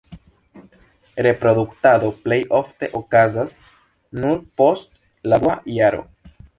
Reproduktado plej ofte okazas nur post la dua jaro.